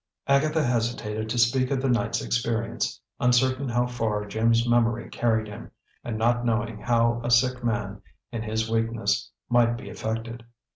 Agatha hesitated to speak of the night's experience, uncertain how far Jim's memory carried him, and not knowing how a sick man, in his weakness, might be affected.